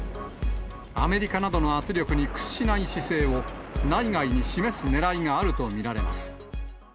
アメリカなどの圧力に屈しない姿勢を、内外に示すねらいがあると見られます。